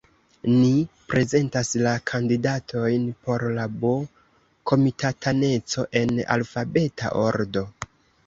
Ni prezentas la kandidatojn por la B-komitataneco en alfabeta ordo.